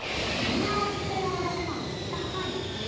銀上がって金寄るだけなのにめっちゃ堅いですね。